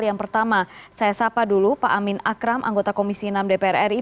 yang pertama saya sapa dulu pak amin akram anggota komisi enam dpr ri